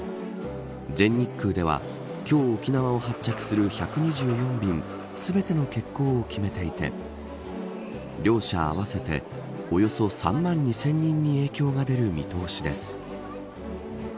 全日空では、今日沖縄を発着する１２４便全ての欠航を決めていて両社合わせておよそ３万２０００人に影響が出る見通しです。